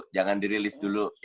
jangan dirilis dulu